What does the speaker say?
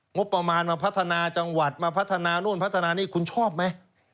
งบประมาณมาพัฒนาจังหวัดมาพัฒนานู่นพัฒนานี่คุณชอบไหม